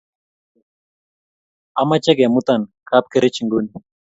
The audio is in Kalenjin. ameche kemutan kapkerich nguni.